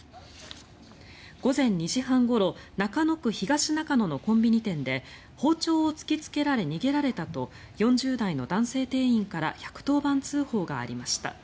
午前２時半ごろ中野区東中野のコンビニ店で包丁を突きつけられ逃げられたと４０代の男性店員から１１０番通報がありました。